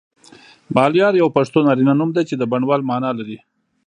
ملیار یو پښتو نارینه نوم دی چی د بڼوال معنی لری